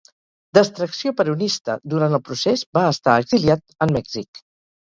D'extracció peronista, durant el Procés, va estar exiliat en Mèxic.